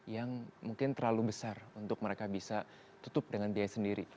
yang mungkin terlalu besar untuk mereka bisa tutup dengan biaya sendiri